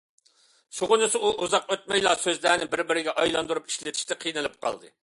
شۇغىنىسى ئۇ ئۇزاق ئۆتمەيلا سۆزلەرنى بىر- بىرىگە ئايلاندۇرۇپ ئىشلىتىشتە قىينىلىپ قالدى.